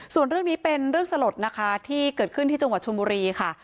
ส่วนเรื่องนี้เป็นเรื่องสลดนะคะที่เกิดขึ้นที่จังหวัดชนบุรีค่ะ